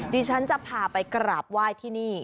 ดิฉันจะพาไปกราบไหว้ที่นี่